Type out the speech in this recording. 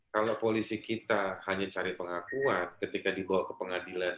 kalau polisi kita hanya cari pengakuan ketika dibawa ke pengadilan